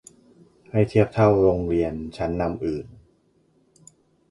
ให้เทียบเท่าโรงเรียนชั้นนำอื่น